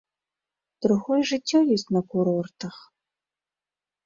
Другое жыццё ёсць на курортах.